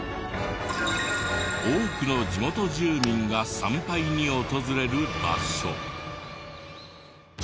多くの地元住民が参拝に訪れる場所。